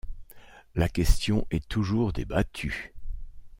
La question est toujours débattue.